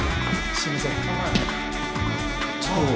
すみません。